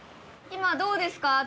今どうですか？